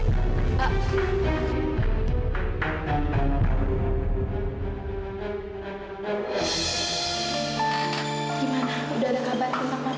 udah ada kabar tentang bapak